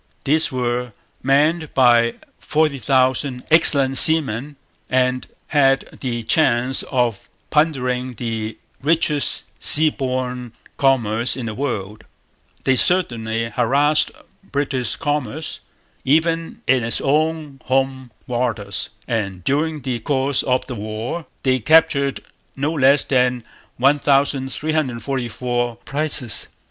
These were manned by forty thousand excellent seamen and had the chance of plundering the richest sea borne commerce in the world. They certainly harassed British commerce, even in its own home waters; and during the course of the war they captured no less than 1344 prizes.